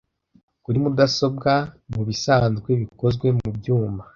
kuri mudasobwa mubisanzwe bikozwe mubyuma